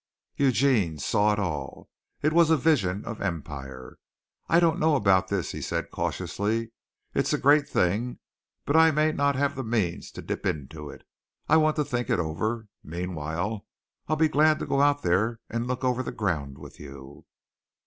Eugene saw it all. It was a vision of empire. "I don't know about this," he said cautiously. "It's a great thing, but I may not have the means to dip into it. I want to think it over. Meanwhile, I'll be glad to go out there and look over the ground with you."